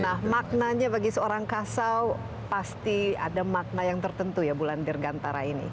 nah maknanya bagi seorang kasau pasti ada makna yang tertentu ya bulan dirgantara ini